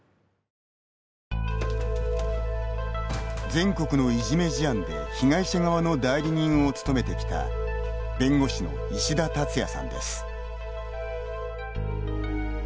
全国のいじめ事案で被害者側の代理人を務めてきた弁護士の石田達也さんです。